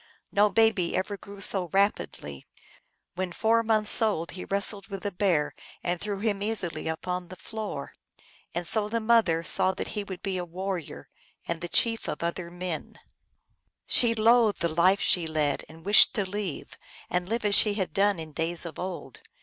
No baby ever grew so rapidly : when four months old he wrestled with the Bear and threw him easily upon the floor. And so the mother saw that he would be a warrior, and the chief of other men. 312 77/75 ALGONQUIN LEGENDS. She loathed the life she led, and wished to leave, and live as she had done in days of old.